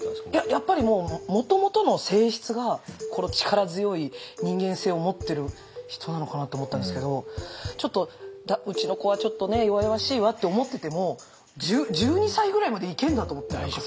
やっぱりもともとの性質がこの力強い人間性を持ってる人なのかなと思ったんですけどうちの子はちょっとね弱々しいわって思ってても１２歳ぐらいまでいけるんだと思って。